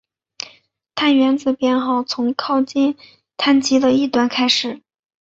碳原子编号从靠近羰基的一端开始。